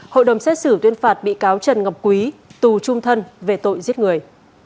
hội đồng xét xử tuyên phạt bị cáo trần ngọc quý tù trung thân về tội giết người